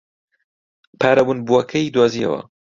پارە ونبووەکەی دۆزییەوە.